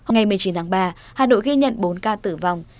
ngày một mươi chín tháng ba hà nội ghi nhận bốn ca tử vong